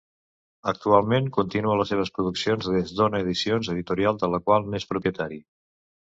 Actualment continua les seves produccions des d'Ona Edicions, editorial de la qual n'és propietari.